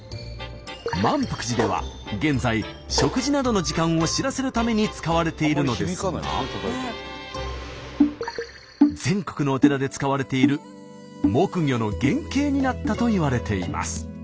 萬福寺では現在食事などの時間を知らせるために使われているのですが全国のお寺で使われている木魚の原型になったといわれています。